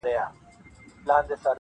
زه لکه نغمه درسره ورک سمه-